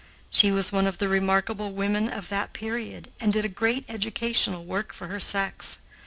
She was one of the remarkable women of that period, and did a great educational work for her sex.